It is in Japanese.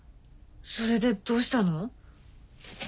それでどうしたの？